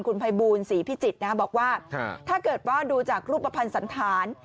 คุณภัยบูลศรีพิจิตรบอกว่าถ้าเกิดว่าดูจากรูปภัณฑ์สันธาร